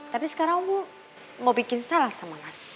tapi sekarang bu mau bikin salah sama mas